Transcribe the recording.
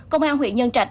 công an huyện nhân trạch